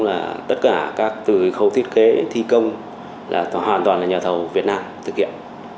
lần đầu tiên là cũng là tất cả các từ khẩu thiết kế thi công là hoàn toàn là nhờ thầu việt nam thực hiện